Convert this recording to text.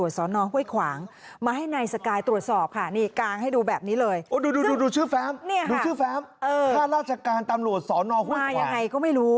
ใช่ตอนนั้นเขาก็บอกนับก่อนใช่ไหม